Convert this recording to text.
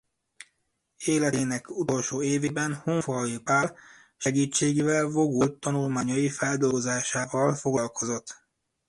Életének utolsó évében Hunfalvy Pál segítségével vogul tanulmányai feldolgozásával foglalkozott.